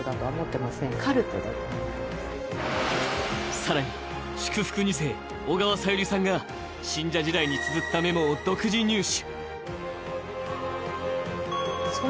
更に、祝福２世・小川さゆりさんが信者時代につづったメモを独自入手。